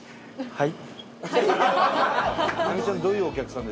はい。